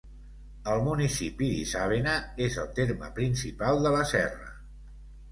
El municipi d'Isàvena és el terme principal de la serra.